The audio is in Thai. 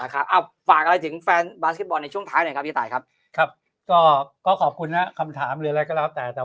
ครับฝากอะไรถึงแฟนบาร์สเก็ตบอลในช่วงท้ายนะครับครับก็ขอบคุณนะคำถามเรียนแล้วก็แล้วแต่